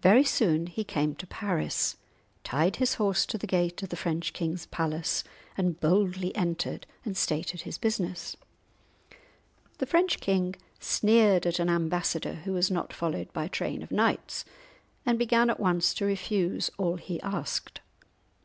Very soon he came to Paris, tied his horse to the gate of the French king's palace, and boldly entered and stated his business. The French king sneered at an ambassador who was not followed by a train of knights, and began at once to refuse all he asked.